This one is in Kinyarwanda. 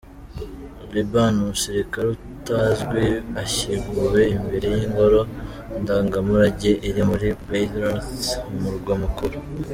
Liban: Umusirikare Utazwi ashyinguwe imbere y’Ingoro Ndangamurage iri muri Beyrouth, umurwa mukuru.